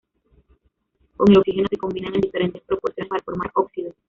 Con el oxígeno se combinan en diferentes proporciones para formar óxidos.